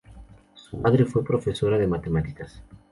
Su madre fue profesora de matemáticas.